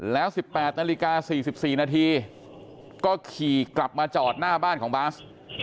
แล้ว๑๘นาฬิกา๔๔นาทีก็ขี่กลับมาจอดหน้าบ้านของบาส